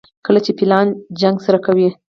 کله چې فیلان جګړه سره کوي.